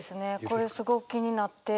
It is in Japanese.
これすごく気になって。